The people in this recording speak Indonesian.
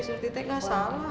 surti teh gak salah